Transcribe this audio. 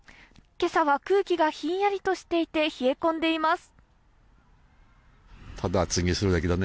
今朝は空気がひんやりとしていて冷え込んでいます。